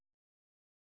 dikepo mungkin gitu